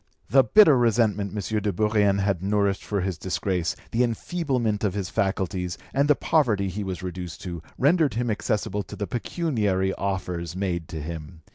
The bitter resentment M. de Bourrienne had nourished for his disgrace, the enfeeblement of his faculties, and the poverty he was reduced to, rendered him accessible to the pecuniary offers made to him.